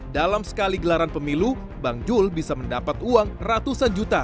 dalam sekali gelaran pemilu bang jul bisa mendapat uang ratusan juta